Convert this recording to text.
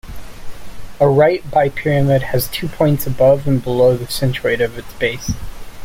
A right bipyramid has two points above and below the centroid of its base.